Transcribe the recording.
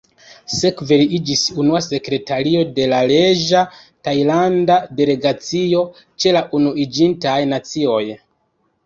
Sekve li iĝis unua sekretario de la reĝa tajlanda delegacio ĉe la Unuiĝintaj Nacioj.